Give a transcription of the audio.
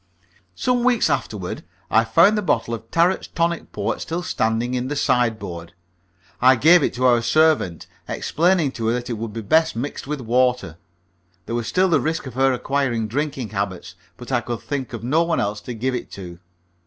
Some weeks afterward I found the bottle of Tarret's Tonic Port still standing in the sideboard. I gave it to our servant, explaining to her that it would be best mixed with water. There was still the risk of her acquiring drinking habits, but I could think of no one else to give it to.